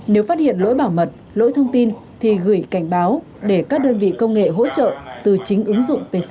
nếu phát hiện lỗi bảo mật lỗi thông tin thì gửi cảnh báo để các đơn vị công nghệ hỗ trợ từ chính ứng dụng pcr